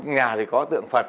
nhà thì có tượng phật